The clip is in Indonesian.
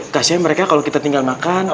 kasihnya mereka kalau kita tinggal makan